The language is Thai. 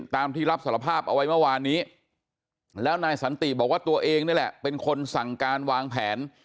ตามที่รับสารภาพเอาไว้เมื่อวานนี้แล้วนายสันติบอกว่าตัวเองนี่แหละเป็นคนสั่งการวางแผน